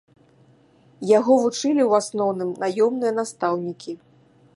Яго вучылі ў асноўным наёмныя настаўнікі.